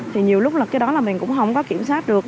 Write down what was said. thì nhiều lúc là cái đó là mình cũng không có kiểm soát được